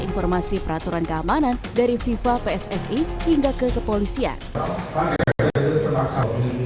informasi peraturan keamanan dari viva pssi hingga ke kepolisian panggilan terlalu terlaksana